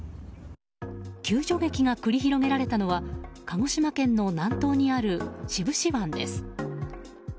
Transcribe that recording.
救助劇が繰り広げられたのは鹿児島県の南東にある志布志湾です。